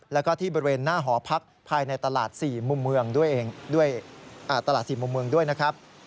แล้วก็ที่บริเวณหน้าหอพักภายในตลาด๔มุมเมืองด้วยนะครับ